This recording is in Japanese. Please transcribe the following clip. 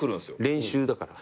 練習だから。